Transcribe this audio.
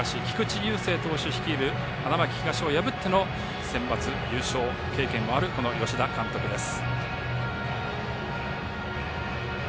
菊池雄星投手率いる花巻東を破ってのセンバツ優勝経験のある吉田監督です。